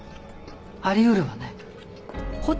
あり得るわね。